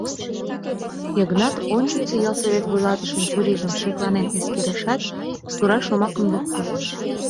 Йыгнат ончычсо ялсовет вуйлатышын чурийжым шекланен эскерышат, тура шомакым лукто: